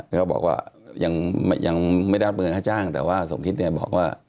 ก็บอกว่ายังไม่ได้รับเงินค่าจ้างแต่ว่าสมคิดเนี่ยบอกว่า